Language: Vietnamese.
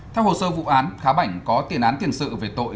theo hồ sơ vụ án khá bảnh có tiền án tiền sự về tội cố ý